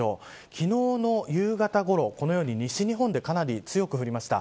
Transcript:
昨日の夕方ごろこのように西日本でかなり強く降りました。